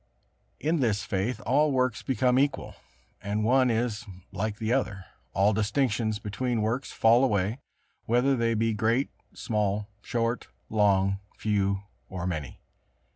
In this faith all works become equal, and one is like the other; all distinctions between works fall away, whether they be great, small, short, long, few or many.